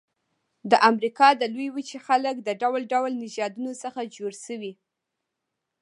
د امریکا د لویې وچې خلک د ډول ډول نژادونو څخه جوړ شوي.